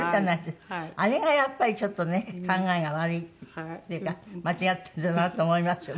あれがやっぱりちょっとね考えが悪いっていうか間違ってるんだなと思いますよね。